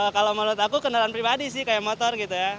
kalau menurut aku kendaraan pribadi sih kayak motor gitu ya